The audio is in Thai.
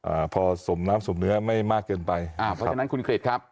อ่าพอสมน้ำสมเนื้อไม่มากเกินไปอ่าเพราะฉะนั้นคุณกริจครับ